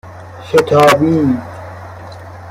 شتابید